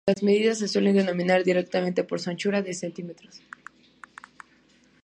Las medidas se suelen denominar directamente por su anchura en cm.